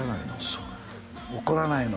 そう怒らないの？